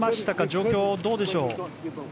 状況はどうでしょう。